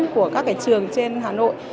của các cái trường trên hà nội